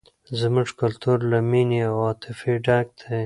زموږ کلتور له مینې او عاطفې ډک دی.